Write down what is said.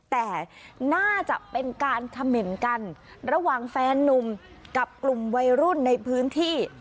แต่น่าจะเป็นการเขม่นกันระหว่างแฟนนุ่มกับกลุ่มวัยรุ่นในพื้นที่